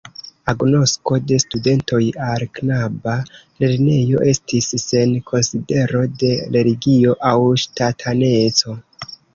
Agnosko de studentoj al knaba lernejo estis sen konsidero de religio aŭ ŝtataneco.